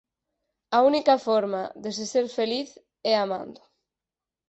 A única forma de se ser feliz é amando.